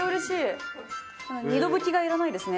二度拭きがいらないですね。